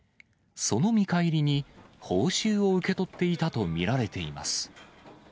その見返りに、報酬を受け取っていたと見られています。